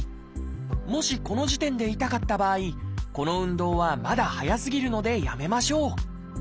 もしこの時点で痛かった場合この運動はまだ早すぎるのでやめましょう。